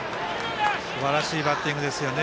すばらしいバッティングですね。